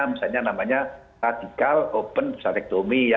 misalnya namanya radical open prostatectomy ya